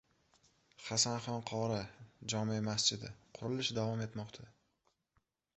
“Hasanxon qori” jome masjidi: qurilish davom etmoqda